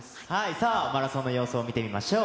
さあ、マラソンの様子を見てみましょう。